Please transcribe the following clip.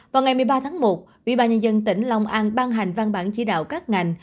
vào ngày một mươi ba tháng một ủy ban nhân dân tỉnh long an ban hành văn bản chỉ đạo các ngành